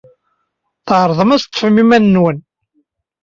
Tɛerḍem ad teḍḍfem iman-nwen.